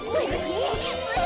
え！